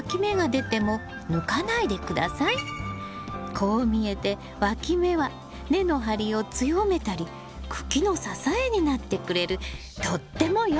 こう見えてわき芽は根の張りを強めたり茎の支えになってくれるとってもよい子なんです。